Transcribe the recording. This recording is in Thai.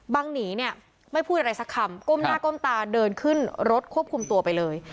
หนีเนี่ยไม่พูดอะไรสักคำก้มหน้าก้มตาเดินขึ้นรถควบคุมตัวไปเลย